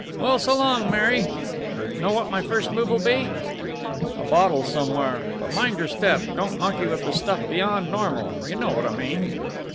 "Well, so long, Mary! Know what my first move'll be?" "A bottle somewhere. But mind your step! Don't monkey with the stuff beyond normal. You know what I mean."